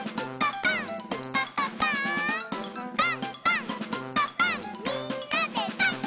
「パンパンんパパンみんなでパン！」